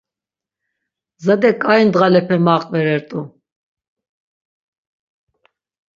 Zade ǩai ndğalepe maqvere rt̆u.